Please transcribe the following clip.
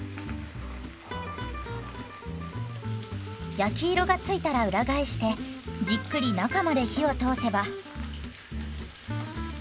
焼き色が付いたら裏返してじっくり中まで火を通せば。